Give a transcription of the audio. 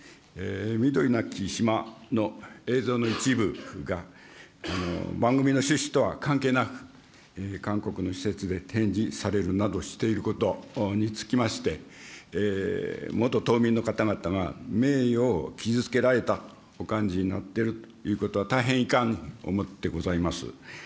緑なき島の映像の一部が、番組の趣旨とは関係なく、韓国の施設で展示されるなどしていることにつきまして、元島民の方々が名誉を傷つけられたとお感じになっているということは大変遺憾に思ってございます。